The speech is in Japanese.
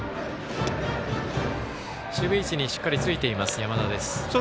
守備位置にしっかりついています山田です。